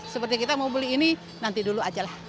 seperti kita mau beli ini nanti dulu aja lah